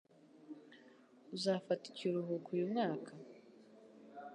Uzafata ikiruhuko uyu mwaka?